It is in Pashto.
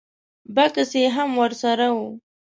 بکس یې هم ور سره و.